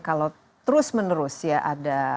kalau terus menerus ya ada